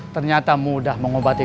ternyata mudah mengobati